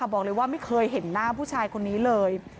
บอกเลยว่าไม่เคยเห็นหน้าผู้ชายคนนี้เลย